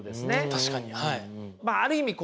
確かにはい。